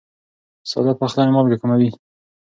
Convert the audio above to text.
ساده پخلی مالګه کموي.